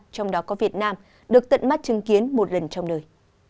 trong đó có việt nam được tận mắt chứng kiến một lần trong đời